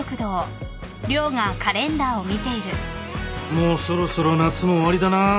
もうそろそろ夏も終わりだな。